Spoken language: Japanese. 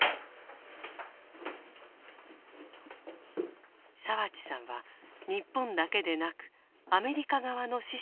澤地さんは日本だけでなくアメリカ側の死者も調査。